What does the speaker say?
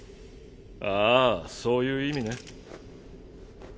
ああそういう意味ね。